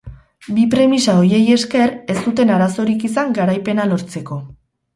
Bi premisa horiei esker ez zuten arazorik izan garaipena lortzeko.